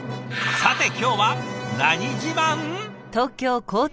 さて今日は何自慢？